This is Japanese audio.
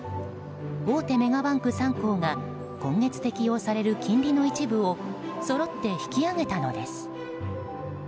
大手メガバンク３行が今月適用される金利の一部をそろって引き上げたのです。